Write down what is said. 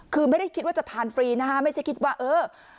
คือไม่ได้คิดว่าจะทานฟรีนะฮะไม่ใช่คิดว่าเออ